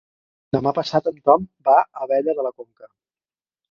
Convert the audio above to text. Demà passat en Tom va a Abella de la Conca.